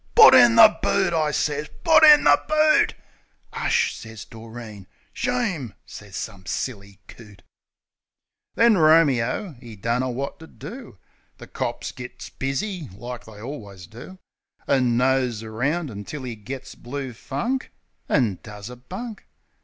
"Put in the boot !" I sez. "Put in the boot !" "Ush !" sez Doreen .. "Shame !" sez some silly coot. THE PLAY 43 Then Romeo, 'e dunno wot to do. The cops gits busy, like they allwiz do. An' nose around until 'e gits blue funk An' does a bunk.